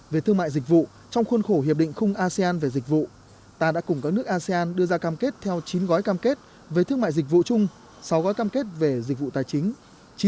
về thương mại dịch vụ trong khuôn khổ hiệp định khung asean về dịch vụ ta đã cùng các nước asean đưa ra cam kết theo chín gói cam kết về thương mại dịch vụ chung sáu gói cam kết về dịch vụ tài chính